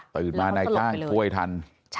ตื่นมาในท่านค่วยทัน